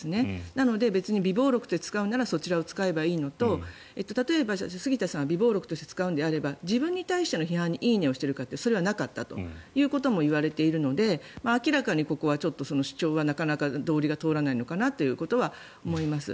なので別に備忘録で使うならそちらでいいのと例えば杉田さんは備忘録として使っているのであれば自分に対しての批判に「いいね」をしているかというとそれはなかったということもいわれているので明らかにここは主張はなかなか道理が通らないのかなということは思います。